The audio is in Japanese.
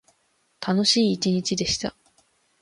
楽しい一日でした。